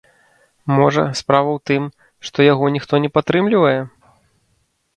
Можа, справа ў тым, што яго ніхто не падтрымлівае?